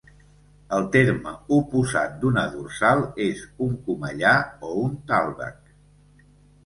El terme oposat d'una dorsal és un comellar o un tàlveg.